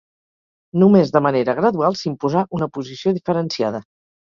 Només de manera gradual s'imposà una posició diferenciada.